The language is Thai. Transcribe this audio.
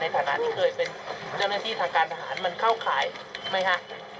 ฐานะที่เคยเป็นเจ้าหน้าที่ทางการทหารมันเข้าข่ายไหมฮะ